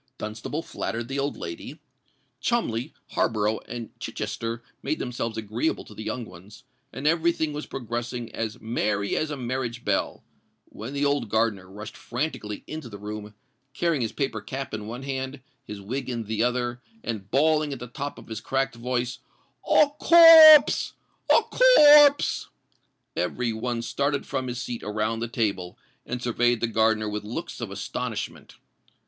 Dunstable flattered the old lady: Cholmondeley, Harborough, and Chichester made themselves agreeable to the young ones; and every thing was progressing as "merry as a marriage bell," when the old gardener rushed franticly into the room, carrying his paper cap in one hand, his wig in the other, and bawling at the top of his cracked voice, "A corpse! a corpse!" Every one started from his seat around the table, and surveyed the gardener with looks of astonishment.